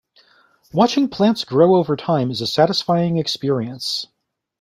Watching plants grow over time, is a satisfying experience.